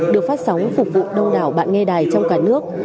được phát sóng phục vụ đâu nào bạn nghe đài trong cả nước